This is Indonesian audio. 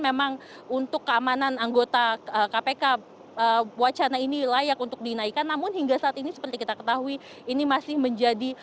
memang untuk keamanan anggota kpk wacana ini layak untuk dinaikkan namun hingga saat ini seperti kita ketahui ini masih menjadi